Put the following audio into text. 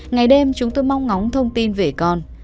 ngày đêm chúng tôi mong ngóng thông tin về con